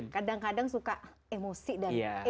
kadang kadang suka emosi dan egonya itu loh ya